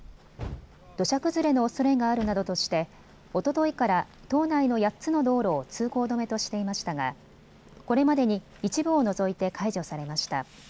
土砂崩れのおそれがあるなどとしておとといから島内の８つの道路を通行止めとしていましたがこれまでに一部を除いて解除されました。